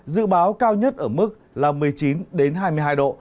dự báo cao nhất ở mức là một mươi chín hai mươi hai độ